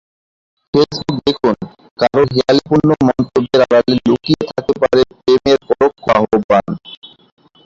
Facebook দেখুন— কারও হেঁয়ালিপূর্ণ মন্তব্যের আড়ালে লুকিয়ে থাকতে পারে প্রেমের পরোক্ষ আহ্বান।